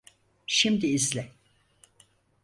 Şimdi izle.